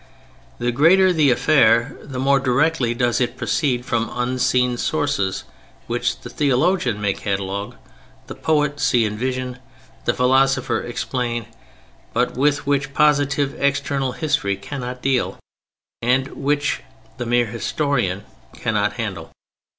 The greater the affair, the more directly does it proceed from unseen sources which the theologian may catalogue, the poet see in vision, the philosopher explain, but with which positive external history cannot deal, and which the mere historian cannot handle.